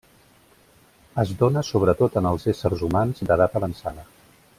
Es dóna sobretot en els éssers humans d'edat avançada.